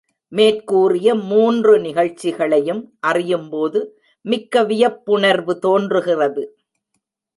மேற்கூறிய மூன்று நிகழ்ச்சிகளையும் அறியும்போது மிக்க வியப்புணர்வு தோன்றுகிறது.